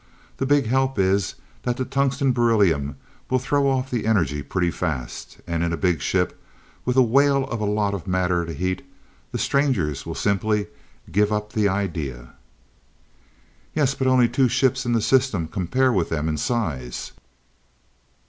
The big help is, that the tungsten beryllium will throw off the energy pretty fast, and in a big ship, with a whale of a lot of matter to heat, the Strangers will simply give up the idea." "Yes, but only two ships in the system compare with them in size."